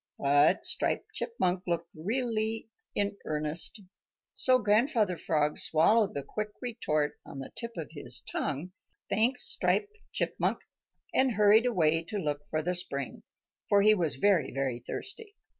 But Striped Chipmunk looked really in earnest, so Grandfather Frog swallowed the quick retort on the tip of his tongue, thanked Striped Chipmunk, and hurried away to look for the spring, for he was very, very thirsty.